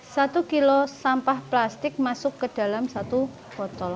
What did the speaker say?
satu kilo sampah plastik masuk ke dalam satu botol